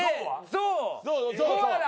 ゾウコアラ。